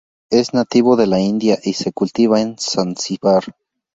Es nativo de la India, y se cultiva en Zanzíbar.